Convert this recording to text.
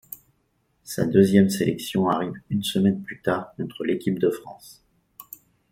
Sa deuxième sélection arrive une semaine plus tard contre l’équipe de France.